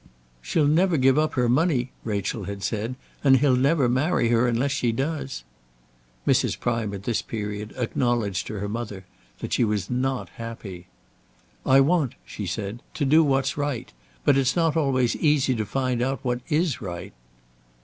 "She'll never give up her money," Rachel had said, "and he'll never marry her unless she does." Mrs. Prime at this period acknowledged to her mother that she was not happy. "I want," said she, "to do what's right. But it's not always easy to find out what is right."